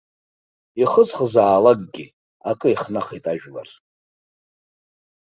Ихызхызаалакгьы акы ихнахит ажәлар.